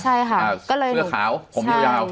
ใช่ค่ะเสื้อขาวผมยาว